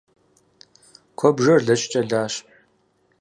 Куэбжэр лэчкӏэ лащ.